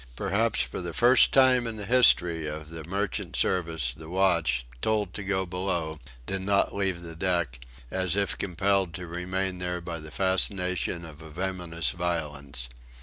Perhaps for the first time in the history of the merchant service the watch, told to go below, did not leave the deck, as if compelled to remain there by the fascination of a venomous violence.